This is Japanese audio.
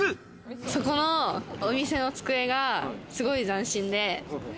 そこのお店の机がすごい斬新で。